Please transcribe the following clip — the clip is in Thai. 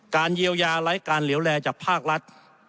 เยียวยาไร้การเหลวแลจากภาครัฐ